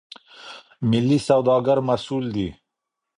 ملي سوداګر مسئول دي.